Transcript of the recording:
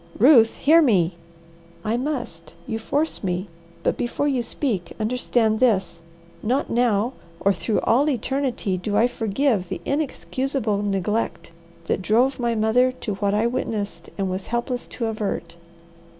"Ruth, hear me!" "I must! You force me! But before you speak understand this: Not now, or through all eternity, do I forgive the inexcusable neglect that drove my mother to what I witnessed and was helpless to avert."